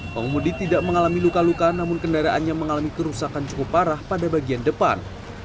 pengemudi tidak mengalami luka luka namun kendaraannya mengalami kerusakan cukup parah pada bagian depan